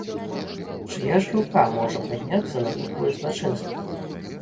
Чыя ж рука можа падняцца на такое злачынства?